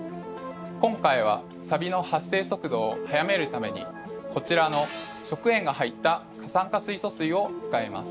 今回はサビの発生速度を速めるためにこちらの食塩が入った過酸化水素水を使います。